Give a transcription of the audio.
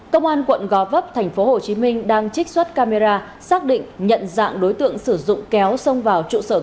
công an quận gò vấp tp hcm đang trích xuất camera xác định nhận dạng đối tượng sử dụng kéo xông vào trụ sở công an